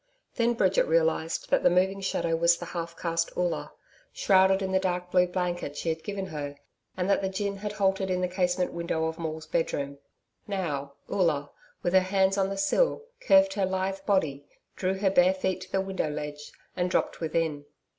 Then Bridget realised that the moving shadow was the half caste Oola, shrouded in the dark blue blanket she had given her, and that the gin had halted at the casement window of Maule's bedroom. Now, Oola, with her hands on the sill, curved her lithe body, drew her bare feet to the window ledge and dropped within.